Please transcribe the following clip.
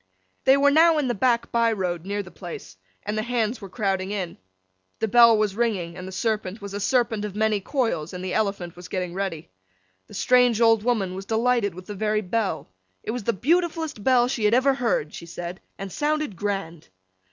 They were now in the black by road near the place, and the Hands were crowding in. The bell was ringing, and the Serpent was a Serpent of many coils, and the Elephant was getting ready. The strange old woman was delighted with the very bell. It was the beautifullest bell she had ever heard, she said, and sounded grand!